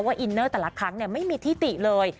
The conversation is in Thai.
อินเนอร์แต่ละครั้งไม่มีที่ติเลย